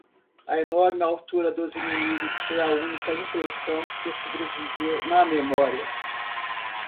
A enorme altura dos inimigos foi a única impressão que sobreviveu na memória.